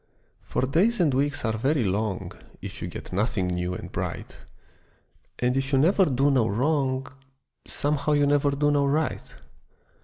For days and weeks are very long If you get nothing new and bright, And if you never do no wrong Somehow you never do no right.